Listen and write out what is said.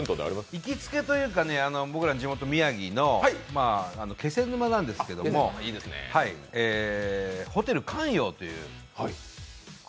行きつけというか、僕らの地元、宮城の気仙沼ですけどホテル観洋という、これ